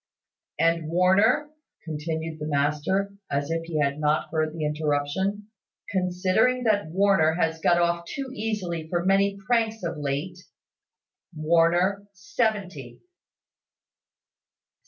"And Warner," continued the master, as if he had not heard the interruption, "considering that Warner has got off too easily for many pranks of late, Warner seventy."